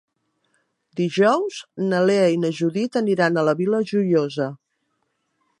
Dijous na Lea i na Judit aniran a la Vila Joiosa.